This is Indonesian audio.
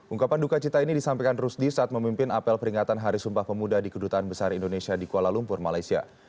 ungkapan duka cita ini disampaikan rusdi saat memimpin apel peringatan hari sumpah pemuda di kedutaan besar indonesia di kuala lumpur malaysia